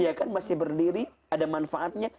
iya kan masih berdiri ada manfaatnya